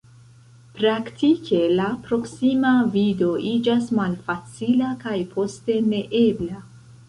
Praktike, la proksima vido iĝas malfacila, kaj poste neebla.